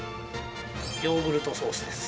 ヨーグルトソースです。